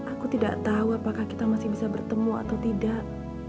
aku tidak tahu apakah kita masih bisa bertemu atau tidak